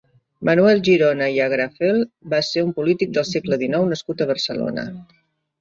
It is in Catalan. Manuel Girona i Agrafel va ser un polític del segle dinou nascut a Barcelona.